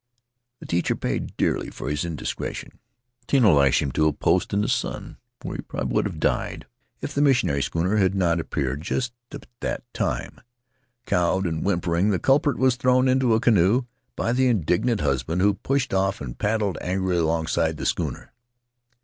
The teacher paid dearly for his indiscretion. Tino lashed him to a post in the sun, where he would prob ably have died if the missionary schooner had not appeared just at that time. Cowed and whimpering, the culprit was thrown into a canoe by the indignant husband, who pushed off and paddled angrily alongside the schooner.